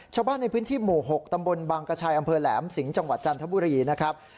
ชาวบ้านในพื้นที่หมู่๖ตำบลบางกระชัยอำเภอแหลมสิงห์จังหวัดจันทบุรีนะครับ